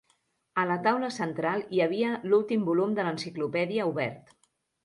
A la taula central hi havia l'últim volum de l'enciclopèdia obert.